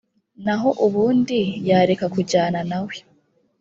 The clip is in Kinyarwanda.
naho ubundi, yareka kujyana nawe.